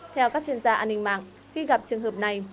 theo các chuyên gia an ninh mạng khi gặp trường hợp này